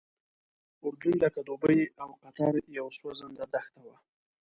اردن لکه دوبۍ او قطر یوه سوځنده دښته وه.